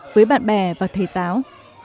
với bạn bè và thầy giáo